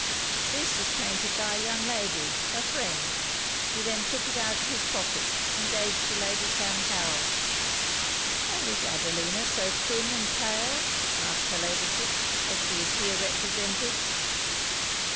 This is painted by a young lady, her friend.' He then took it out of his pocket, and gave it to Lady Clancarryl. 'And is Adelina so thin and pale,' asked her Ladyship, 'as she is here represented?'